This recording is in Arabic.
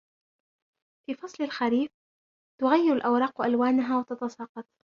في فصل الخريف تغير الأوراق ألوانها و تتساقط.